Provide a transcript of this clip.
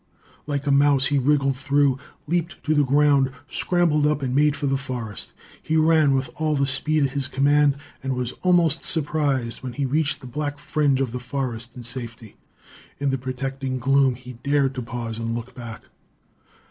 Like a mouse he wriggled through, leaped to the ground, scrambled up and made for the forest. He ran with all the speed at his command, and was almost surprised when he reached the black fringe of the forest in safety. In the protecting gloom, he dared to pause and look back.